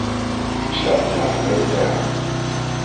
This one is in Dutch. Ik sluit me daar volledig bij aan.